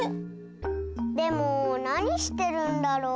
でもなにしてるんだろう？